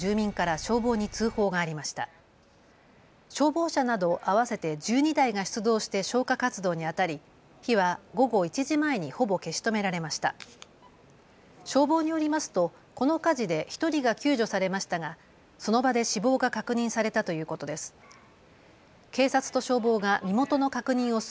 消防によりますとこの火事で１人が救助されましたがその場で死亡が確認されたということです。